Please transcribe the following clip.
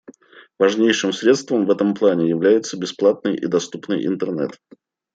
Важнейшим средством в этом плане является бесплатный и доступный Интернет.